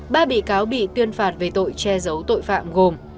ba bị cáo bị tuyên phạt về tội che giấu tội phạm gồm